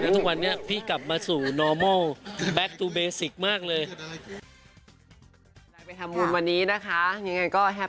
เมื่อเช้าพี่ล้างจานเองนะ